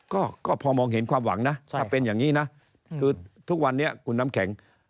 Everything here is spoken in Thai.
ก็พอมองเห็นความหวังนะถ้าเป็นอย่างนี้นะคือทุกวันนี้คุณน้ำแข็ง